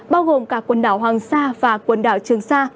bao gồm cả quần đảo hoàng sa và quần đảo trường sa